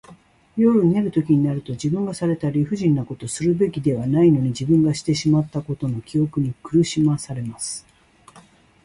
夜寝るときになると、自分がされた理不尽なこと、するべきではないのに自分がしてしまったことの記憶に苦しまされます。